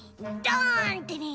ドンってね！